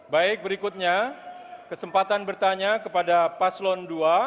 baik berikutnya kesempatan bertanya kepada paslon dua